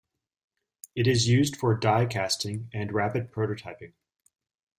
It is used for die casting and rapid prototyping.